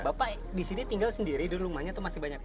bapak di sini tinggal sendiri dulu rumahnya itu masih banyak